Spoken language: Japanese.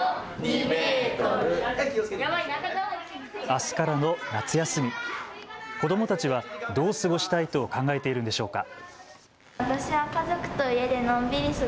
あすからの夏休み、子どもたちはどう過ごしたいと考えているのでしょうか。